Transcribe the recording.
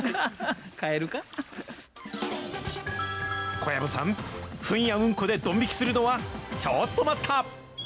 小籔さん、フンやうんこでどん引きするのは、ちょっと待った！